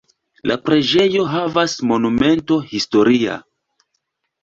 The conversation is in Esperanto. La preĝejo estas Monumento historia.